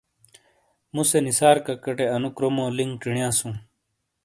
مُوسے نثار کاکا ٹے اَنُو کرومو لِنک چِینیاسُوں۔